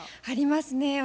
ありますね。